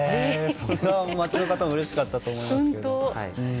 それは街の方うれしかったと思いますけどね。